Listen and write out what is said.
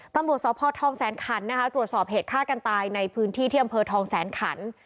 กรรมดรสอบพ่อทองแสนขันต์นะคะตรวจสอบเหตุฆ่ากันตายในพื้นที่เทียมเภอทองแสนขันต์